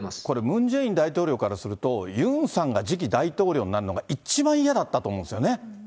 これ、ムン・ジェイン大統領からすると、ユンさんが次期大統領になるのが一番嫌だったと思うんですよね。